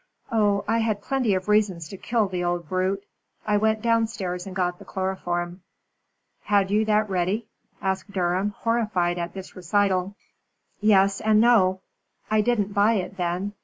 Oh, I had plenty of reasons to kill the old brute. I went downstairs and got the chloroform." "Had you that ready?" asked Durham, horrified at this recital. "Yes and no. I didn't buy it then.